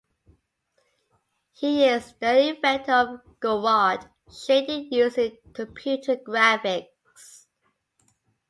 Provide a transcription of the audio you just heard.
He is the inventor of Gouraud shading used in computer graphics.